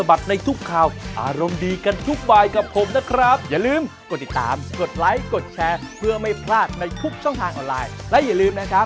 เรารอดดีแบบนี้ติดตามในชุมชนต้องแชร์นะคะ